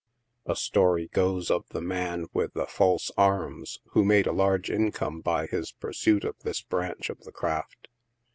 A story goes of the " man with the false arms," who made a large income by his pursuit of this branch of the craft.